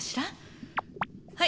はい！